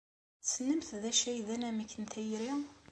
Tessnemt d acu ay d anamek n tayri?